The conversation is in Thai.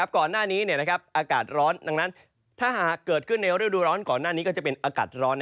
ก่อนหน้านี้อากาศร้อนดังนั้นถ้าหากเกิดขึ้นในฤดูร้อนก่อนหน้านี้ก็จะเป็นอากาศร้อน